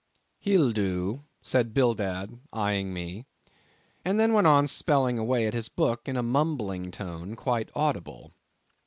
"He'll do," said Bildad, eyeing me, and then went on spelling away at his book in a mumbling tone quite audible.